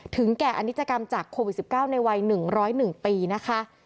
แก่อนิจกรรมจากโควิด๑๙ในวัย๑๐๑ปีนะคะ